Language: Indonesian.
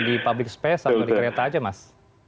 di public space atau di kereta aja mas